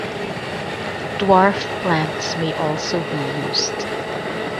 Dwarf plants may also be used.